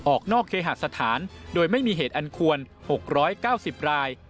ออกนอกเคหาสถานโดยไม่มีเหตุอันควร๖๙๐ราย